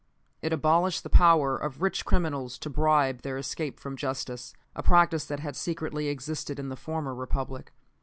It abolished the power of rich criminals to bribe their escape from justice; a practice that had secretly existed in the former Republic.